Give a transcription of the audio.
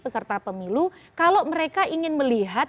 peserta pemilu kalau mereka ingin melihat